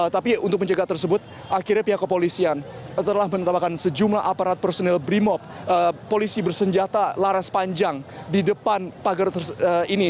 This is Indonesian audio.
tapi untuk mencegah tersebut akhirnya pihak kepolisian telah menetapkan sejumlah aparat personil brimop polisi bersenjata laras panjang di depan pagar ini